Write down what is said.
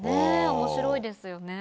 面白いですよね。